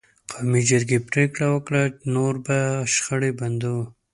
قومي جرګې پرېکړه وکړه: نور به شخړې بندوو.